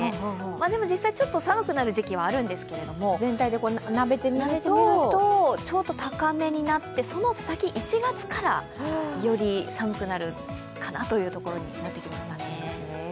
でも、実際寒くなる時期はあるんですけど、全体で見ると高めになって、その先１月からより寒くなるというところかなとなってきましたね。